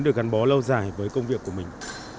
được gắn bó lâu dài với công việc của mình